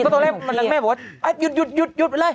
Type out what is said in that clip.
เอาเป็นตัวเล่นแม่บอกว่าอ่ะหยุดเลย